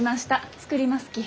作りますき。